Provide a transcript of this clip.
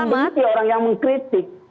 jangan menjadi orang yang mengkritik